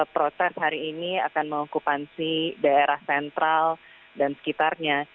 proses hari ini akan mengokupansi daerah sentral dan sekitarnya